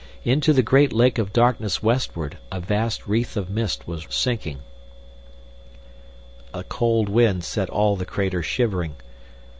Into the great lake of darkness westward, a vast wreath of mist was sinking. A cold wind set all the crater shivering.